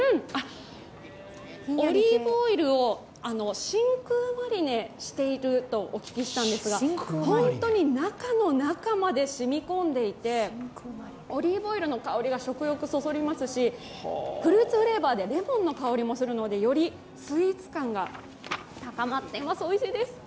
オリーブオイルを真空マリネしているとお聞きしたんですが、本当に中の中までしみこんでいてオリーブオイルの香りが食欲をそそりますし、フルーツフレーバーでレモンの香りもするのでよりフルーツ感が高まってますますおいしいです。